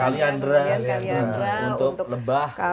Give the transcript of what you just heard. kalianra untuk lebah